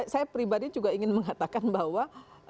saya pribadi juga ingin mengatakan bahwa